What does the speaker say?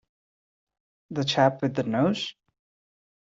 The chap with the nose?